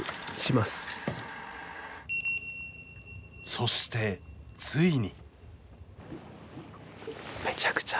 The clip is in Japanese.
そして、ついに。